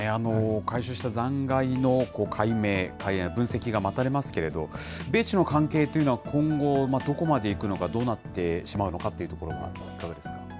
回収した残骸の解明、分析が待たれますけれども、米中の関係というのは、今後、どこまでいくのか、どうなってしまうのかというところはいかがですか。